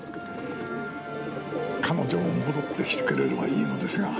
彼女も戻ってきてくれればいいのですが。